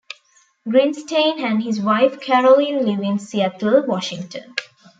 Grinstein and his wife Carolyn live in Seattle, Washington.